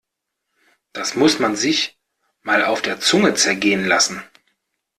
Das muss man sich mal auf der Zunge zergehen lassen!